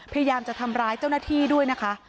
พยายามจะทำร้ายเจ้าหน้าที่ด้วยนะคะ